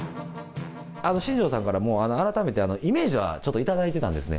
新庄さんから、改めてもうイメージはちょっと頂いてたんですね。